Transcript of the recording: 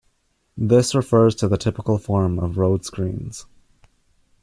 This refers to the typical form of rood screens.